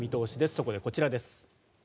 そこでこちらです。